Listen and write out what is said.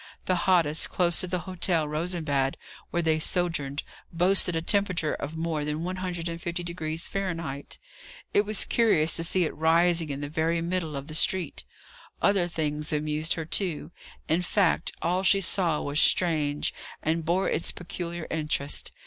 The hottest, close to the Hotel Rosenbad, where they sojourned, boasted a temperature of more than 150° Fahrenheit; it was curious to see it rising in the very middle of the street. Other things amused her, too; in fact, all she saw was strange, and bore its peculiar interest.